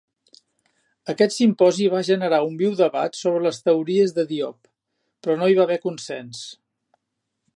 Aquest simposi va generar un viu debat sobre les teories de Diop, però no hi va haver consens.